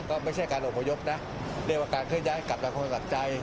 ก็ไม่ใช่การโรงพยพนะเรียกว่าการเคลื่อนย้ายกับละคนหลักใจ